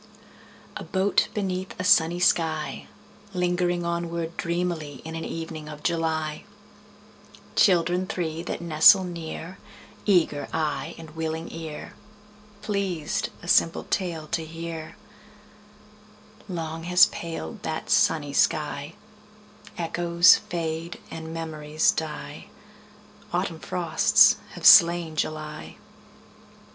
A boat beneath a sunny sky, Lingering onward dreamily In an evening of July— Children three that nestle near, Eager eye and willing ear, Pleased a simple tale to hear— Long has paled that sunny sky: Echoes fade and memories die. Autumn frosts have slain July.